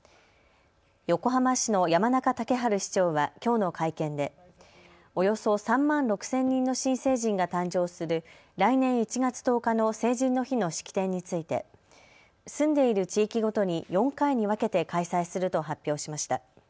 横浜市の山中竹春市長はきょうの会見でおよそ３万６０００人の新成人が誕生する来年１月１０日の成人の日の式典について住んでいる地域ごとに４回に分けて開催すると発表しました。